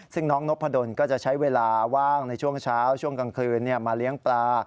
ซึ่งน้องนกพะดนก็จะใช้เวลาว่างในช่วงเช้าช่วงกลางคืนมาเลี้ยงปลา